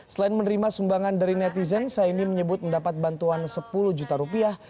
selain menerima sumbangan dari netizen saini menyebut mendapat bantuan sepuluh juta rupiah